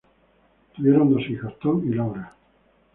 Tuvieron dos hijos, Tom y Laura.